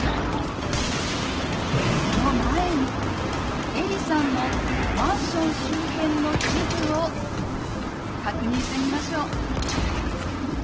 その前にエリさんのマンション周辺の地図を確認してみましょう。